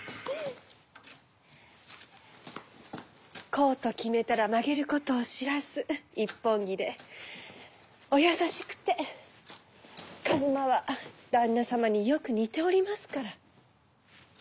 こうと決めたら曲げることを知らず一本気でお優しくて一馬は旦那様によく似ておりますから。